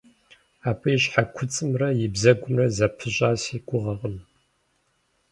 Абы и щхьэкуцӏымрэ и бзэгумрэ зэпыщӏа си гугъэкъым.